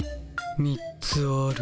３つある。